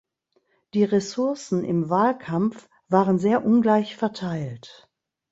Die Ressourcen im Wahlkampf waren sehr ungleich verteilt.